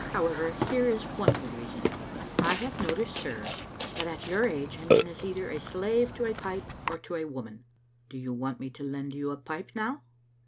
However, here is one good reason. I have noticed, sir, that at your age a man is either a slave to a pipe or to a woman. Do you want me to lend you a pipe now?"